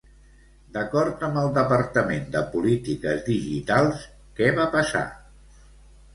D'acord amb el Departament de Polítiques Digitals, què va passar?